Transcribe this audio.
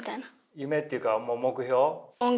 夢っていうか目標？